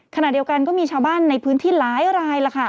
ขณะเดียวกันก็มีชาวบ้านในพื้นที่หลายรายแล้วค่ะ